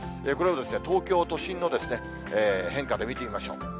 これを東京都心の変化で見てみましょう。